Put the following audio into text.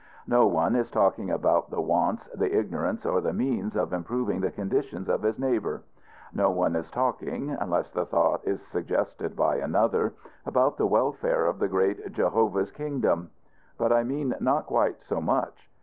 No one is talking about the wants, the ignorance, or the means of improving the condition of his neighbor. No one is talking, unless the thought is suggested by another, about the welfare of the great Jehovah's kingdom. But I mean not quite so much.